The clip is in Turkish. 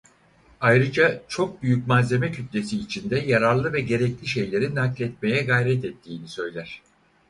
Ayrıca çok büyük malzeme kütlesi içinde yararlı ve gerekli şeyleri nakletmeye gayret ettiğini söyler.